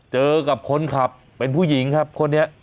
เจอกับคนขับเป็นผู้หญิงครับคนนี้